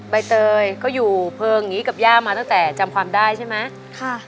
ใบเตยก็อยู่เพลิงอย่างนี้กับย่ามาตั้งแต่จำความได้ใช่ไหมค่ะ